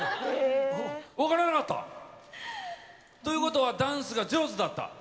分からなかった？ということは、ダンスが上手だった？